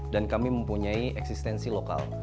dan kami mempunyai eksplosif